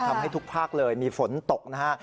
ทำให้ทุกภาคเลยมีฝนตกนะฮะ